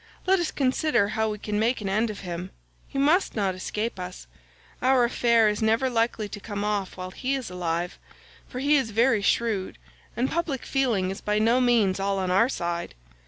Let us consider how we can make an end of him. He must not escape us; our affair is never likely to come off while he is alive, for he is very shrewd, and public feeling is by no means all on our side.